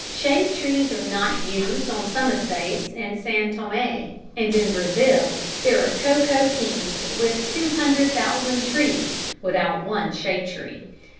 Shade trees are not used on some estates in San Thomé, and in Brazil there are cocoa kings with 200,000 trees without one shade tree.